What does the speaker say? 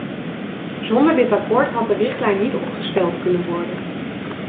Zonder dit akkoord had de richtlijn niet opgesteld kunnen worden.